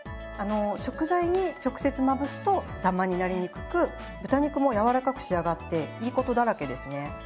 食材に直接まぶすとダマになりにくく豚肉も軟らかく仕上がっていいことだらけですね。